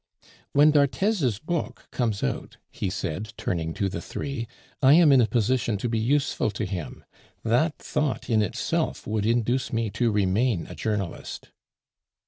"When d'Arthez's book comes out," he said, turning to the three, "I am in a position to be useful to him. That thought in itself would induce me to remain a journalist."